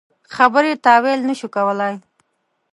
خبرې تاویل نه شو کولای.